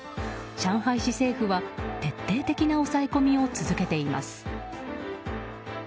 上海市政府は徹底的な抑え込みを続けています。